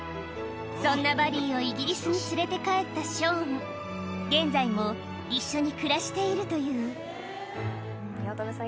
そんなバリーをイギリスに連れて帰ったショーン現在も一緒に暮らしているという八乙女さん